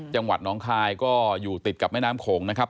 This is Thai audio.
จังหวัดน้องคายก็อยู่ติดกับแม่น้ำโขงนะครับ